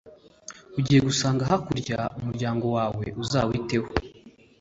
ugiye gusanga hakurya umuryango wa we, uzawiteho